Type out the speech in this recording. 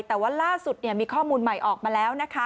แต่ว่าล่าสุดมีข้อมูลใหม่ออกมาแล้วนะคะ